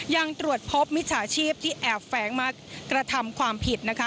ยังตรวจพบมิจฉาชีพที่แอบแฝงมากระทำความผิดนะคะ